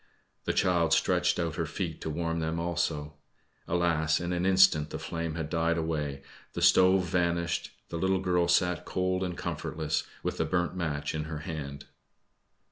The child stretched out her feet to warm them also. Alas! in an instant the flame had died away, the stove vanished, the little girl sat cold and comfortless, with the burnt match in her hand.